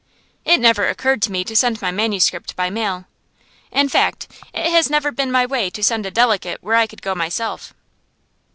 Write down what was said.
It never occurred to me to send my manuscript by mail. In fact, it has never been my way to send a delegate where I could go myself.